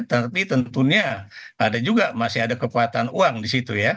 tapi tentunya ada juga masih ada kekuatan uang di situ ya